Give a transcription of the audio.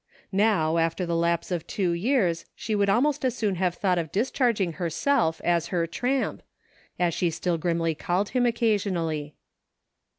Now, after the lapse of two years, she would almost as soon have thought of discharging herself as her " tramp," as she still grimly called him occasionally.